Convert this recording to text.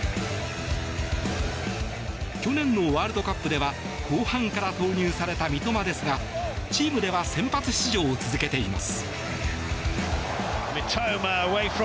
去年のワールドカップでは後半から投入された三笘ですがチームでは先発出場を続けています。